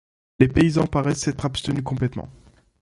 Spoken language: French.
Les paysans paraissent s’être abstenus complètement.